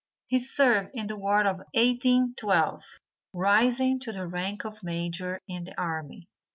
He served in the war of 1812, rising to the rank of major in the army.